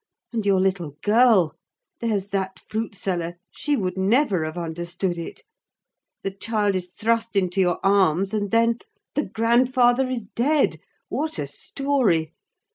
And your little girl? There's that fruit seller,—she would never have understood it! The child is thrust into your arms, and then—the grandfather is dead! What a story!